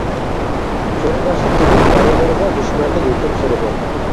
قېرىنداشلىق تۈگۈل، ئارىلىرىدا دۈشمەنلىك ھۆكۈم سۈرىدۇ.